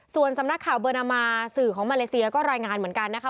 ส่วนสำนักข่าวเบอร์นามาสื่อของมาเลเซียก็รายงานเหมือนกันนะคะ